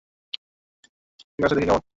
ঠিক আছে, দেখি কেমন পারো।